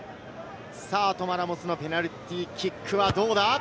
トマ・ラモスのペナルティーキックはどうだ？